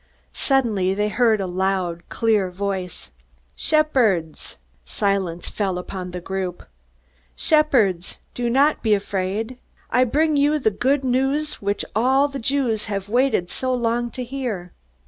Suddenly they heard a loud, clear voice. "Shepherds!" Silence fell upon the group. "Shepherds, do not be afraid. I bring you the good news which all the Jews have waited so long to hear.